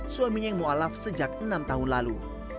suaminya yang mu alaf sejak enam tahun lalu